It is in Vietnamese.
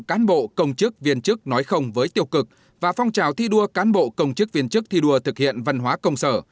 cán bộ công chức viên chức nói không với tiêu cực và phong trào thi đua cán bộ công chức viên chức thi đua thực hiện văn hóa công sở